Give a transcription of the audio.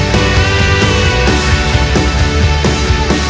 ไม่สำคัญ